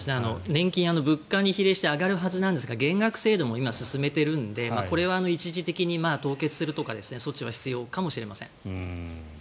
年金物価に比例して上がるはずですが減額制度も今、進めているのでこれを一時的に凍結するとか措置は必要かもしれません。